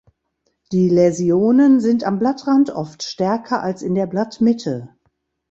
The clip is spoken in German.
Die Läsionen sind am Blattrand oft stärker als in der Blattmitte.